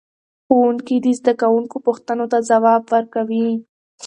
ښوونکي د زده کوونکو پوښتنو ته ځواب ورکوي.